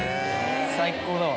最高だわ。